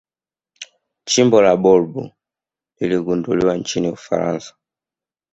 chimbo la blob liligunduliwa nchini ufaransa